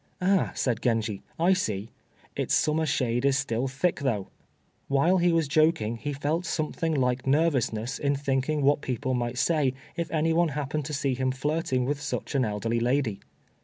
"Ah!" said Genji, "I see, 'its summer shade is still thick though!'" While he was joking he felt something like nervousness in thinking what people might say if anyone happened to see him flirting with such an elderly lady.